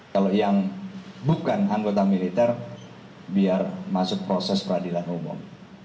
kalau yang bukan anggota militer biar masuk proses peradilan umum